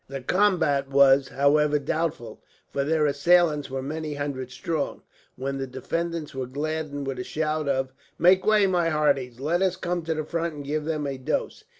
The combat was, however, doubtful, for their assailants were many hundred strong; when the defenders were gladdened with a shout of "Make way, my hearties. Let us come to the front, and give them a dose."